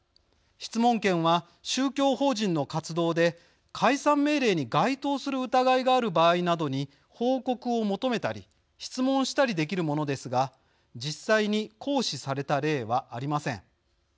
質問権は宗教法人の活動で解散命令に該当する疑いがある場合などに、報告を求めたり質問したりできるものですが実際に行使された例はありません。